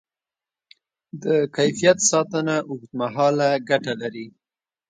د کیفیت ساتنه اوږدمهاله ګټه لري.